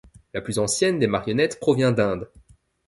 La plus ancienne des marionnettes provient d'Inde.